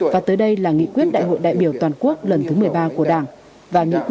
và tới đây là nghị quyết đại hội đại biểu toàn quốc lần thứ một mươi ba của đảng